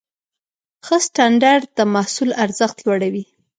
ښه سټنډرډ د محصول ارزښت لوړوي.